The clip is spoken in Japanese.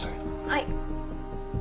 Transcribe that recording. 「はい」